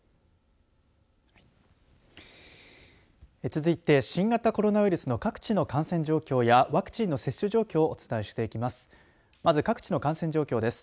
続いて、新型コロナウイルスの各地の感染状況やワクチンの接種状況をお伝えしていきます。